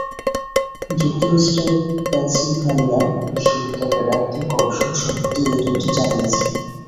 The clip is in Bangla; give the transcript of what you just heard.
যুক্তরাষ্ট্রের পেনসিলভানিয়া বিশ্ববিদ্যালয়ের একদল গবেষক সম্প্রতি এ তথ্য জানিয়েছেন।